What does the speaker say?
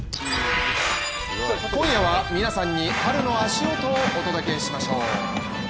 今夜は皆さんに春の足音をお届けしましょう。